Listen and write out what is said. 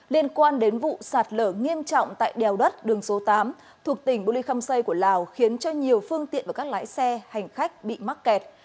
liên quan đến vụ sạt lở nghiêm trọng tại đèo đất đường số tám thuộc tỉnh bô lê khâm xây của lào khiến cho nhiều phương tiện và các lái xe hành khách bị mắc kẹt